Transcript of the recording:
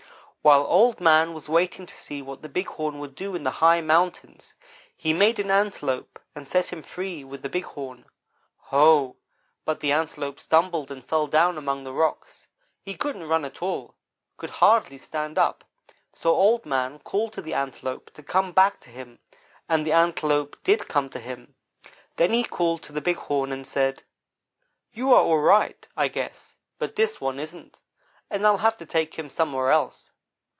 "While Old man was waiting to see what the Big Horn would do in the high mountains, he made an Antelope and set him free with the Big Horn. Ho! But the Antelope stumbled and fell down among the rocks. He couldn't run at all; could hardly stand up. So Old man called to the Antelope to come back to him, and the Antelope did come to him. Then he called to the Big Horn, and said: "'You are all right, I guess, but this one isn't, and I'll have to take him somewhere else.'